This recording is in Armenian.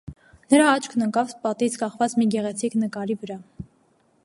Նրա աչքն ընկավ պատից կախված մի գեղեցիկ նկարի վրա: